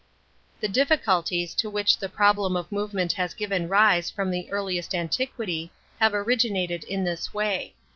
The difficulties to which the problem of movement has given rise from the earliest antiquity have originated in this way.